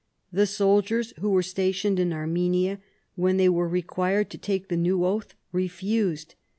The soldiers who were stationed in Armenia, when they were required to take the new oath, refused.